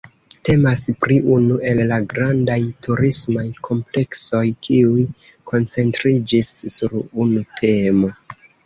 Temas pri unu el la grandaj turismaj kompleksoj kiuj koncentriĝis sur unu temo.